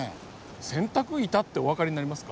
洗濯板ってお分かりになりますか？